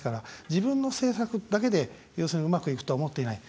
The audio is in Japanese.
自分の政策だけで要するにうまくいくとは思っていない。